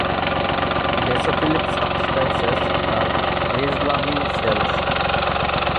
"Basophilic substances" are "base loving" cells.